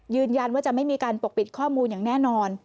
ยืนยันว่าจะไม่มีการปกปิดข้อมูลอย่างแน่นอน